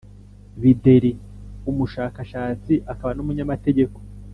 bideri umushakashatsi akaba n’umunyamategeko